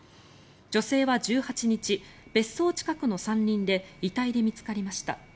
女性は１８日別荘近くの山林で遺体で見つかりました。